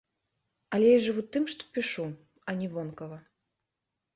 Але я жыву, тым, што пішу, а не вонкава.